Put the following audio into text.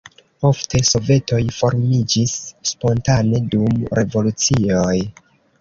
Ofte sovetoj formiĝis spontane dum revolucioj.